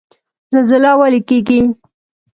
زلزله ولې کیږي؟